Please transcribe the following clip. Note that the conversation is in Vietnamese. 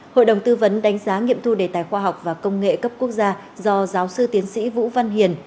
hội đồng tư vấn đánh giá nghiệm thu đề tài khoa học và công nghệ cấp quốc gia do giáo sư tiến sĩ vũ văn hiền